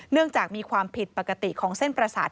จากมีความผิดปกติของเส้นประสาท